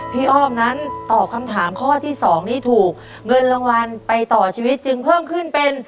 อ้อมนั้นตอบคำถามข้อที่๒นี้ถูกเงินรางวัลไปต่อชีวิตจึงเพิ่มขึ้นเป็น